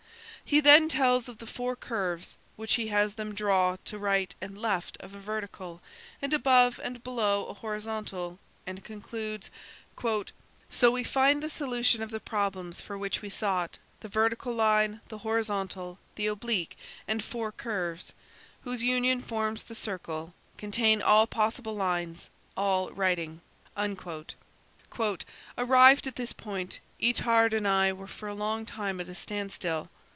He then tells of the four curves which he has them draw to right and left of a vertical and above and below a horizontal, and concludes: "So we find the solution of the problems for which we sought–the vertical line, the horizontal, the oblique, and four curves, whose union forms the circle, contain all possible lines, all writing." "Arrived at this point, Itard and I were for a long time at a standstill.